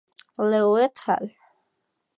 Lü "et al.